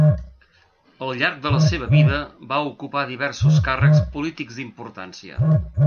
Al llarg de la seva vida va ocupar diversos càrrecs polítics d'importància.